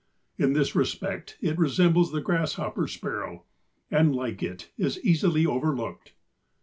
In this respect it resembles the grasshopper sparrow, and like it is easily overlooked.